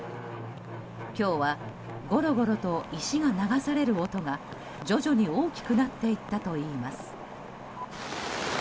今日はゴロゴロと石が流される音が徐々に大きくなっていったといいます。